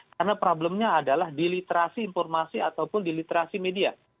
karena problemnya adalah di literasi informasi ataupun di literasi media